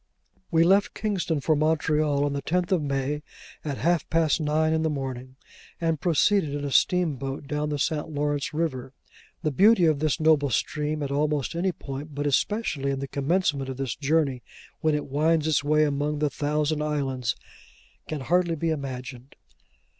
We left Kingston for Montreal on the tenth of May, at half past nine in the morning, and proceeded in a steamboat down the St. Lawrence river. The beauty of this noble stream at almost any point, but especially in the commencement of this journey when it winds its way among the thousand Islands, can hardly be imagined.